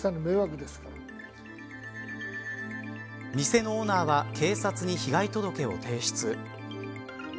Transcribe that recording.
店のオーナーは警察に被害届を提出。